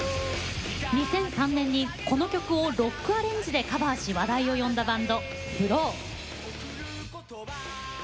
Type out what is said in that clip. ２００３年に、この曲をロックアレンジでカバーし話題を生んだバンドＦＬＯＷ。